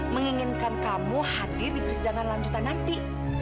menginginkan kamu hadir di persidangan lanjutan nanti